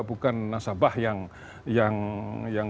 bukan nasabah yang